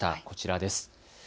こちらです。